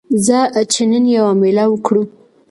ځه چې نن یوه میله وکړو